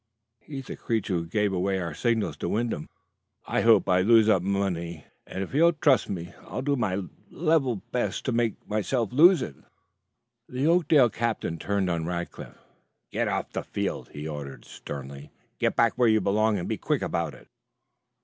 He's the creature who gave away our signals to Wyndham. I hope I lose that mum money, and, if you'll trust me, I'll do my level best to make myself lose it." The Oakdale captain turned on Rackliff. "Get off the field," he ordered sternly. "Get back where you belong, and be quick about it."